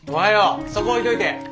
そこ置いといて。